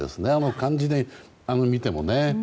漢字で見てもね。